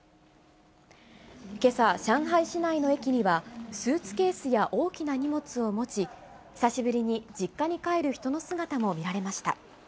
けさ、上海市内の駅には、スーツケースや大きな荷物を持ち、久しぶりに実家に帰る人の姿も見られました。